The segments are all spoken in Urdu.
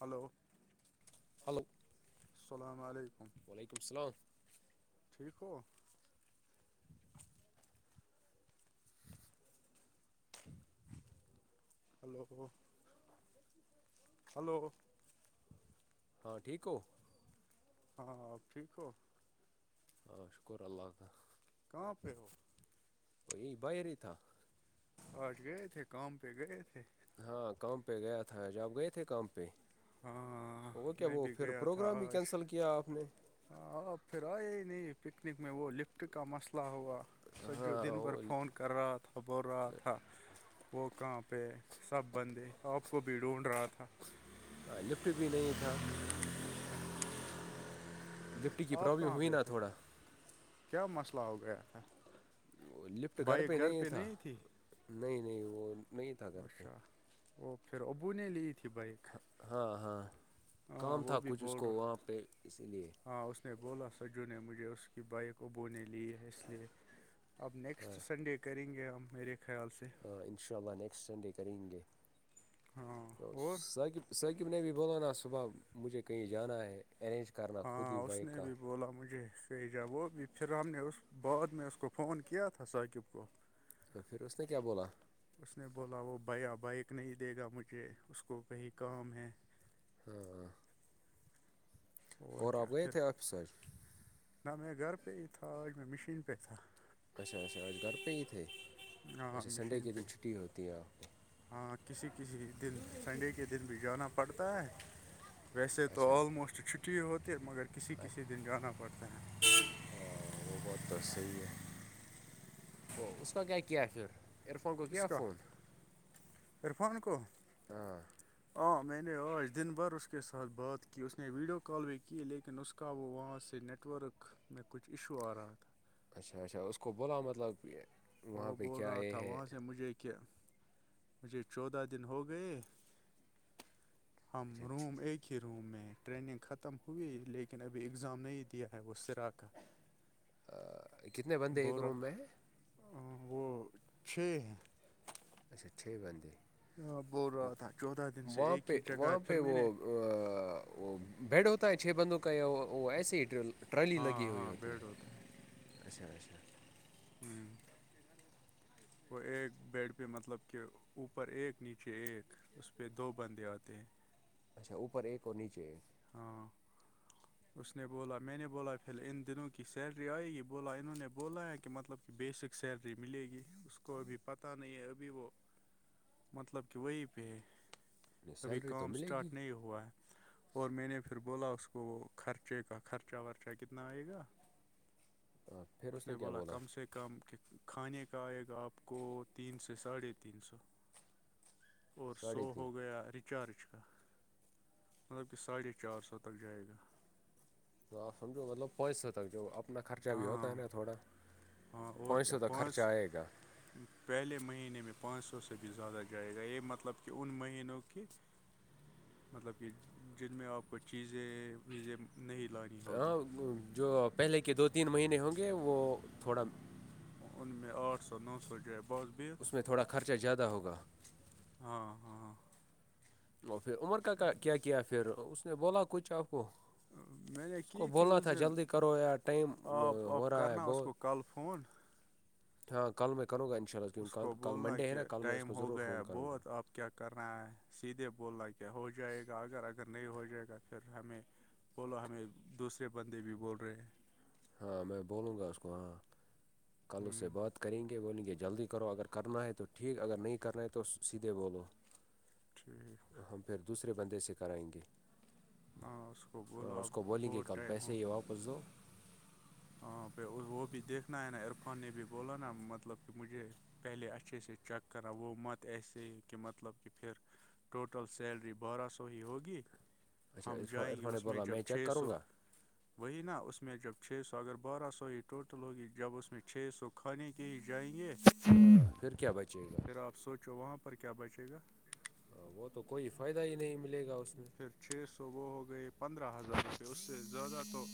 ہلو ہلو السلام علیکم وعلیکم السلام ٹھیک ہو ہلو ہلو ہاں ٹھیک ہو ہاں ٹھیک ہو [unintelligible] کہاں پہ ہو وہ یہ باہریی تھا آج گیئے تھے کم پ گی تھے ہاں کام پہ گیا تھا ج آپ گئے تھے کام پہ ہاں وہ کیا میں وہ بھی پھر گیا تھا پروگرام بھی آج کینسل کیا آپ نے آپ پھر آئے ہی نہیں پکنک میں وہ لکھ کا مسئلہ ہوا س جو ہاں دن بھر وہ فون کر رہا تھا بول رہا تھا وہ کہاں پہ سب بندے آپ کو بھی ڈھونڈ رہا تھا لفٹ بھی نہیں تھا لفٹ ٹی کی آپ پرابلم کہاں ہوئی پہ نا تھے تھڑا کیا مسئلہ ہو گیا تھا بائک گھر پہ نہیں تھی نہیں نہیں وہ نہیں تھا کر پہ اچھا وہ پھر ابو نے لی تھی بھائی ہ ہاں ہاں کام تھا وہ بھی کچھ اس بول کو رہا وہاں پہ اسی لیے ہاں اس نے بولا سجو نے مجھے اس کی بائک ابونے لی ہے اس لیے اب نیکسٹ سنڈے کریں گے ہم میرے خیال سے ہ انشاء اللہ نیکسٹ سنڈے کریں گے ہاں تو اور اکب ثقب نے بھی بولو نا صبح مجھے کہیں جانا ہے ارینج کر ہاں اس نے بھی بولا مجھے کہ جا وہ بھی پھر ہم نے اس بعد میں اس کو فون کیا تھا ثاقب کو تو پھر اس نے کیا بولا اس نے بولا وہ بھیا بائک نہیں دے گا مجھے اس کو کہیں کام ہے ہ اور کیا آپ پھر گئےےتے آفس آج نہ م گھر پ تھا آج میں مشین پہ ت تھا اچھا اچھا آج گھر پہ ہی تھے ہاں اچھا سنڈے مشین کے پہ دن چھٹٹی ہوتی ہیں آپ کو ہاں کسی کسی دن سنڈے کے دن بھی جانا پڑتا ہے ویسے کو تو اچھا آلموسٹ چھٹی ہوتی ہے مگر کسی کسی دن جانا پڑتا ہے ہ وہ بہت تو صحی ہے ا اس کا کیا کیا پھر ایئر فون کو کیا فون ررفان کو ہاں ہاں میں نے آج دن بھر اس کے ساتھ بات کی اس نے ویڈیو کال بھی کی لیکن اس کا وہاں سے نیٹ ورک میں کچھ ایشو آ رہا تھا اچھا اچھا اس کو بولا مطلب کہ وہ بول رہا تھا وہاں سے مجھے کہ مجھے چودہ دن ہو گئے ہم روم اچھا ایک کھر میں ٹریننگ ختم ہوئی لیکن ابھی اگزام نہیں دیا ہے وہ سرا کا کتنے بندے ایک بول روم رہا میں وہ چھ ہیں اچھا چھ بند ہاں بول رہا تھا چودہ دن سے ایک پہ ہی جگہ وہاں پھر پہ میں وہ نے بیڈ ہوتا ہے چھ بندوں کا یا وہ ایسے ہی ٹرالی لگی ہاں ہوئی ہاں ہوتی بیڈ ہے ہوتا اچھا اچھا ہوں وہ ایک بیڈ پہ مطلب کہ اوپر ایک نیچے ایک اس پہ دو بندے آتے ہیں اچھا اوپر ایک اور نیچے ہاں اس نے بولا میں نے بولا پھر ان دنوں کی سیلری آئے گی بولا انہوں نے بولا کہ مطلب بیسک سیلری ملے گی اس کو ابھی پتہ نہیں ہے ابھی وہ مطلب کہ وہیں پہ کبھی سیلری تو کام ملے گی اسٹارٹ نہیں ہوا ہے اور میں نے پھر بولا اس کو وہ خرچے کا خرچہ ورچہ کتنا آئے گا اس نے بولا کم سے کم کھانے کا آئے گا آپ کو تین سے ساڑھے تین سو اور سو ساڑھے تین ہو گیا ریچارج کا مطلب کہ ساڑھے چار سو تک جائے گا تو آپ سجھو مطلب پانچ سو تک جو آپ اتنا خرچہ بھی ہوتا ہے ہاں نا تھوڑا ہاں اور پانچ کیا سو تک خرچہ سو آئے گا پہلے مہینے میں پانچ سو سے بھی زیادہ جائے گا یہ مطلب کہ ان مہینوں کے مطلب کہ جن میں آپ کو چیزیں ویزیں نہیں لای ہاں جو پہلے کے دو تین مہینے ہوں گے وہ تھوڑا ان میں آٹھ سو نو سو جائے بس اس میں تھوڑا خرچہ زیادہ ہوگا ہاں ہاں ہاں اور پھر عمر کا کیا کیا پھر اس نے بولا کچھ آپ کو میں نے اس کو کی تھی بولنا اس تھا دن جلدی کرو ییا ٹائم ہو رہا ہے بہت کال فون [unintelligible] ہاں کل میں کروں گا اس انشاءلہ کو بولنا کلنڈے ہیں نا کل میں اس کو ضرور فون کروں گا [unintelligible] کر رہنا ہے سیدھے بول رہنا کہ ہو جائے گا اگر اگر نہیں ہو جائے گا پھر ہمیں [inaudible] بولو ہمیں دوسرے بندے بھی بول رہے ہیں ہاں میں بولوں گا اس کو ہاں کل اس سے ہوں بات کریں گے بولیں گے جلدی کرو اگر کرنا ہے تو ٹھیک اگر نہیں کرنا ہے تو سیدھے بولو ٹھیک [inaudible] ہم پھر دوسرے بندے سے کرائیں گے ہاں اس کو بولو تو اس اب کو بولیں گے بہت کل ٹائم پیسے ہو ہی واپس دو ہاں وہ بھی دیکھنا ہے نا عرفان نے بھی بولا نا مطلب کہ مجھے پہلے اچھے سے چیک کرا وہ مت ایسے ہے کہ مطلب کہ پھر ٹوٹل سیلری بارہ سو ہی ہوگی اچھا ہم عرفان جائیں گے عرفان نے اس میں بولا جب چیک چھ کروں سو گا وہی نا اس میں جب چھ سو تو اگر بارہ سو ہی ٹوٹل ہوگی جب اس میں چھ سو کھانے کے ہی جائیں گے ہاں پھر کیا بچے گا پھر آپ سوچو وہاں پر کیا بچے گا ہاں، وہ تو کوئی فائدہ ہی نہیں ملے گا اس میں پھر چھ سو وہ ہو گئے پندرہ ہزار روپئے اس سے زیادہ تو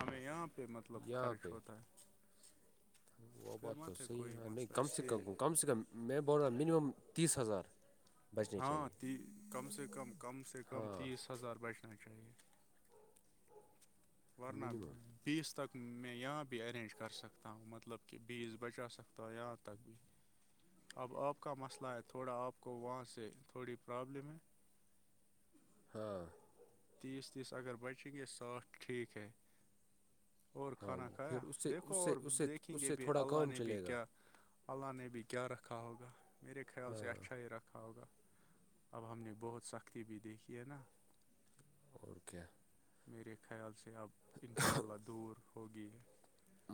ہمیں یہاں پہ مطلب یہاں خرچ پہ ہوتا ہے وہ پھر بات تو مت صحیح کوئی ہے نہیں مسئلہ کم اس سے لیے کم کم سے کم [inaudible] میں بول رہا منیمم تیس ہزار [unintelligible] بچنے ہاں چاہیے کم سے کم کم سے کم ہاں تیس ہزار بچنا چاہیے ورنہ منیمم [unintelligible] بیس تک میں یہاں بھی ارینج کر سکتا ہوں مطلب کہ بیس بچا سکتا ہوں یہاں تک بھی اب آپ کا مسئلہ ہے تھوڑا آپ کو وہاں سے تھوڑی پرابلم ہے ہاں تیس تیس اگر بچیں گے ساات ٹھیک ہے اور ہاں کھانا کھایا پھر اس سے دیکھو اس سے اور اس سے دیکھیں اس گے سے بھی تھوڑا اللہ کام نے بھی چلے گا کیا اللہ نے بھی کیا رکھا ہوگا میرے خیال سے اچھا ہی رکھا ہوگا اب ہم نے بہت سختی بھی دیکھی ہے نا اور کیا میرے خیال سے اب ان شاء اللہ دور ہوگی ہے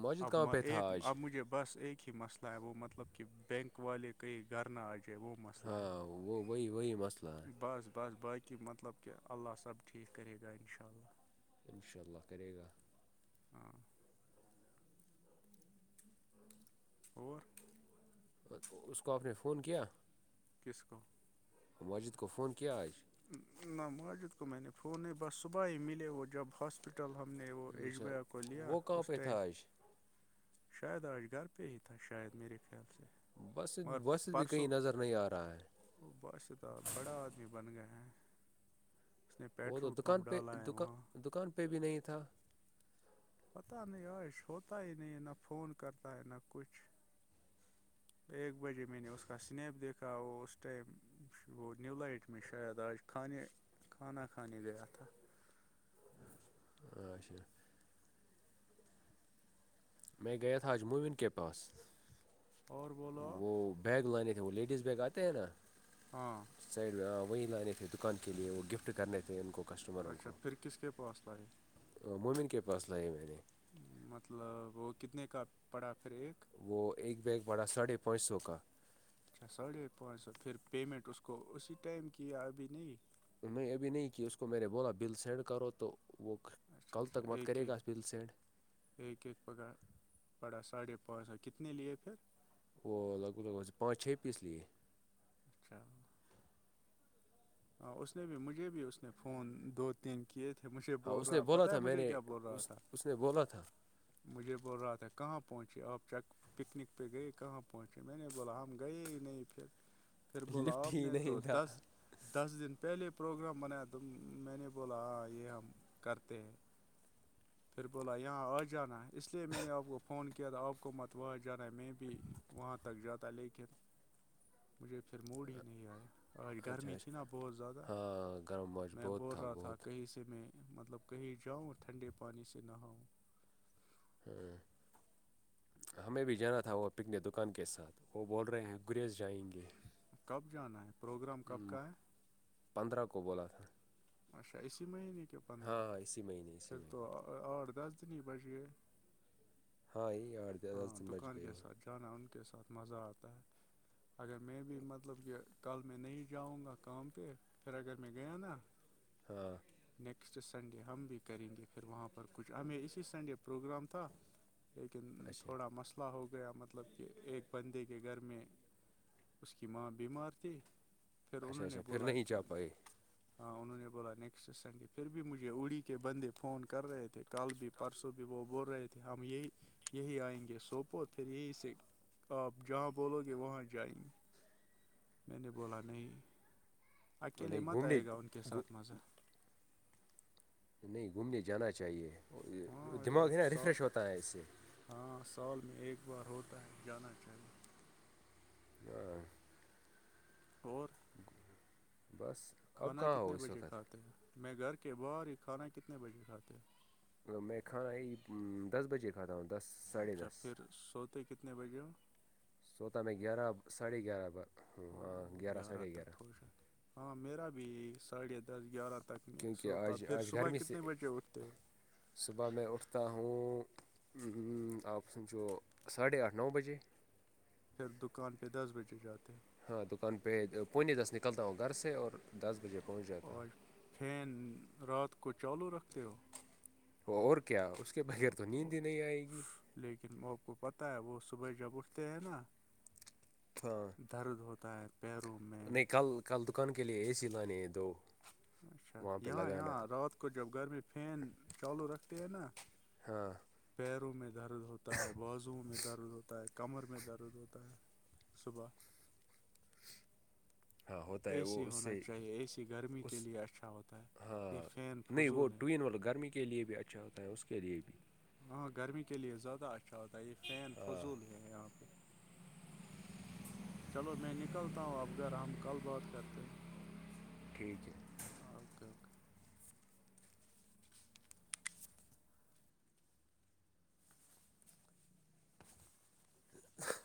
ماجد اب کہاں پہ تھا ایک آج اب مجھے بس ایک ہی مسئلہ وہ مطلب کہ بینک والے کہئی گھرنا آجے وہ مس ہاں وہ وہی وہی مسئلہ ہے بس بس بق کہ مطلب کہ اللہ سب ٹھیک کرے گا انشااد ان شاء اللہ کرے گا [unintelligible] ہاں اور اس کو آپ نے فون کیا کس کو ماجد کو فون آج [unintelligible] نہ ماجد کو میں نے فون نہیں بس صبح ہی ملے وہ جب ہاسپٹل [unintelligible] ہوٹل ہم نے وہ ایشب اچھا کو لیا وہ کہاں اس پہ ٹائم تھا آج شاید آج گھر پہ ہی تھا شاید میرے خیال سے بس وس بھی کہیں نظر نہیں آ رہا ہے وہ بادش تاہ بڑا آدمی بن گئے ہیں وہ تو دکان پہ ڈالا ہے وہاں دکان دکان پہ بھی نہیں تھا پتاہ نہیں عش ہوتا ہی نہیں ہے نہ فون کرتا ہے نہ کچھ ایک بجے میں نے اس کا سنیپ دیکھا اور اس ٹائم وہ نی لائٹ میں شاید آج کھانے کھانا کھانے گیا تھا اچھا میں گیا تھ تھا آج موومن کے پاس اور بولو آپ وہ بیگ لانے تھے وہ لیڈیز بیگ آتے ہیں نا ہاں سائڈ میں وہیں لانے تھے دکان کے لیے وہ گفٹ کرنے تھے ان کو کسٹمروں اچھا کوو پھر کس کے پاس لائی مومن کے پاس لائے میں نے مطلب وہ کتنے کا پڑا پھر ایک وہ ایک بیگ بڑا ساڑھے پانچ سو کا اچھا ساڑھے پانچ سو پھر پیمنٹ اسس کو اسی ٹائم کی ہےیا ابھی نہیں نہیں ابھی نہیں کہ اس کو میں نے بولا بل سینڈ کرو تو وہ اچھا کل اچھا تک مت ایک کرے کے گا بل سینڈ ایک ایک پکا پڑا ساڑھے پانچ سو کتنے لیے پھر وہ لگ بھگ پانچ چھ پیس لیے اچھا اس نے بھی مجھے بھی اس نے فون دو کیے تھے مجھے بول رہا پتا ہے مجھے کیا بول رہا تھا سے بولا تھا مجھے بول رہا تھا کہاں پہنچے آپ چیک پکنک پہ گئے کہاں پہنچے میں نے بولا ہم گئے ہی نہیں پھر پھر بولا لفٹ آپ ہی نے تو نہیں تھا دس دس دن پہلے پروگرام بنایا تو میں نے بولا ہاں یہ ہم کرتے ہیں پھر بولا یہاں آ جانا اس لیے میں نے آپ کو فون کیا تھا آپ کو حکومت وہاں جانا ہے میں بھی وہاں تک جاتا ہے لیکن مجھے پر موڈ ہی نہیں آیا آج اچھا گرمی اچھا تھی نا بہت زیادہ ہاں گرم ماش میں بہت بول رہا تھا بہت کہیں سے سے میں مطلب کہیں جاؤں ٹھنڈے پانی سے نہاؤں [unintelligible] ہمیں بھی جانا تھا وہ پکنے دکان کے ساتھ وہ بول رہے ہیں گریز جائیں گے کب جانا ہے پروگرام کب ہم، کا ہے پندرہ کو بولات تھا اچھا اسی مہینے کے پندرہ ہاں اسی مہینے اسی پھر تو مہینے اور دس دن ہی بجے ہاں ار ہاں دکان کے ساتھ جانا ان کے ساتھ مزہ آتا ہے اگر میں بھی مطلب کہ کل میں نہیں جاؤں گا کام پہ پھر اگر میں گیا نا ہاں نیکسٹ سنڈے ہم بھی کریں گے پھر وہاں پر کچھ ہمیں اسی سنڈے پروگرام تھا لیکن اچھا تھوڑا مسئلہ ہو گیا مطلب کہ ایک بندے کے گھر میں اس کی ماں بیمار تھی پھر اچھا انہوں نے اچھا پھر بولا نہیں کہ جا پائے ہاں انہوں نے بولا نیکسٹ سنڈے پھر بھی مجھے اڑی کے بندے فون کر رہے تھے ٹال بھی پرسوں بھی وہ بول رہے تھے ہم یہی یہی آئیں گے سوپور پھر یہیں سے آپ جہاں بولو گے وہاں جائیں گے میں نے بولا نہیں اکیلے نہیں مت گھومنے آئے گا ان کے گھو- ساتھ مزہ نہیں گھومنے جانا چاہیے ہاں یہ دماغ ہے نا سا ریفریش ہوتا ہے اس سے ہاں سال میں ایک بار ہوتا ہے جانا چاہیے ہاں اور بس اب کھانا کہاں ہو کتنے اس بجے وقت کھاتے ہیں میں گھر کے باہر ہی کھانا کتنے بجے کھاتے ہیں میںھاں یہ دس بجے کدا آد اچھا پھر سوتے کتنے بجے ہو سوتا میں گیارہ ساڑھے گیارہ بعہ اور گیار رات تک خوش ہیں ہاں میرا بھی ساڑھے دس گیارہ تک میں کیونکہ سوتا آج پھر آج صبح گرمی کتنے سے بجے اٹھتے ہو صبح میں اٹھتا ہوں آپ سنچو ساڑھے آٹھ نو بجے پھر دکان پہ دس بجے جاتے ہاں دکان پہ پونے دس نکلتا ہوں گھر سے اور دس بجے پہنچ ہو جاتا ہ اور فین رات کو چالو رکھتے ہو وہ اور کیا اس کے بغیر تو نیند ہی نہیں آئے گی لیکن وہپ کو پتہ ہے وہ صبح جب اٹھتے ہیں نا ہاں درد ہوتا ہے پیروں میں نہیں کل کل دکان کے لیے اے سی لانے ہیں دو اچھا وہاں پہ یہاں لگانا یہاں رات کو جب گھر میں فین چالو رکھتے ہیں نا ہاں پیروں میں درد ہوتا ہے بازوؤں میں درد ہوتا ہے کمر میں درد ہوتا ہے صبح ہاں ہوتا اے ہے وہ سی اس ہونا سے چاہیے اے سی گرمی کے اس لیے اچھا ہوتا ہے ہاں یہ فین نہیں وہ فضول ہے ٹوین والولو گرمی کے لیے بھی اچھا ہوتا ہے اس کے لیے بھی ہاں گرمی کے لیے زیادہ اچھا ہوتا ہے یہ فین فضول ہے یہاں پہ [unintelligible] چلو میں نکلتا ہوں اب گھر ہم کل بات کرتے ہیں ٹھیک اوکے اوکے [unintelligible]